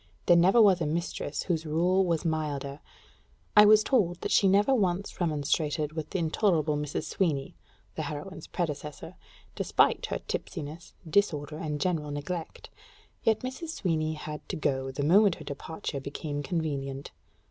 There never was a mistress whose rule was milder. I was told that she never once remonstrated with the intolerable Mrs. Sweeny [the heroine's predecessor], despite her tipsiness, disorder, and general neglect; yet Mrs. Sweeny had to go, the moment her departure became convenient.